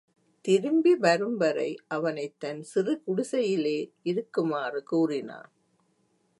திரும்பி வரும்வரை அவனைத் தன் சிறுகுடிசையிலே இருக்குமாறு கூறினான்.